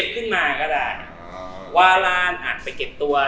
ผลทำนายไพ่ออกมา